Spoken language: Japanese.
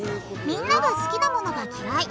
みんなが好きなものが嫌い。